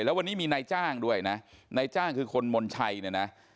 แล้ววันนี้มีนายจ้างด้วยนะนายจ้างคือคนมนชัยเนี่ยนะ